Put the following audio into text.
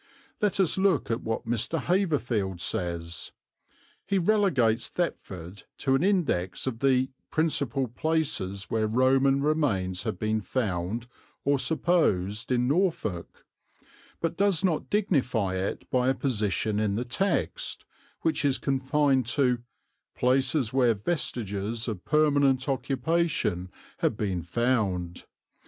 Let us look at what Mr. Haverfield says. He relegates Thetford to an index of the "principal places where Roman remains have been found, or supposed, in Norfolk," but does not dignify it by a position in the text, which is confined to "places where vestiges of permanent occupation have been found."